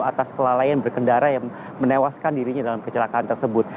atas kelalaian berkendara yang menewaskan dirinya dalam kecelakaan tersebut